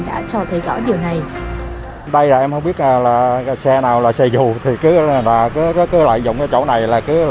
đã cho thấy rõ điều này